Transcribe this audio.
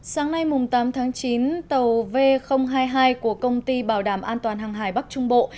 sáng nay tám tháng chín tàu v hai mươi hai của công ty bảo đảm an toàn hàng hải bắc trung bộ